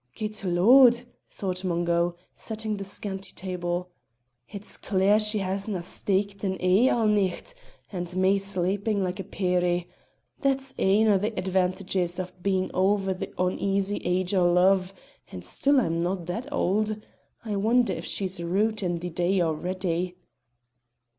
"Guid Lord!" thought Mungo, setting the scanty table. "It's clear she hasna steeked an e'e a' nicht, and me sleepin' like a peerie. That's ane o' the advantages o' being ower the uneasy age o' love and still I'm no' that auld. I wonder if she's rued it the day already."